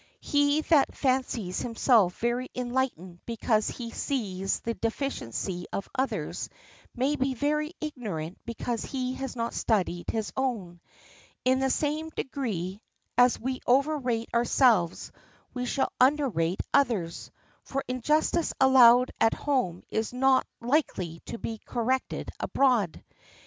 He that fancies himself very enlightened because he sees the deficiency of others may be very ignorant because he has not studied his own. In the same degree as we overrate ourselves we shall underrate others; for injustice allowed at home is not likely to be corrected abroad.